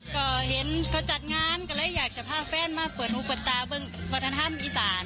ก็เห็นเขาจัดงานก็เลยอยากจะพาแฟนมาเปิดหูเปิดตาเบิ้งวัฒนธรรมอีสาน